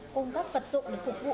cung cấp vật dụng để phục vụ